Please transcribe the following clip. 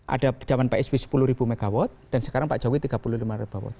ada zaman pak eswi sepuluh mw dan sekarang pak jokowi tiga puluh lima mw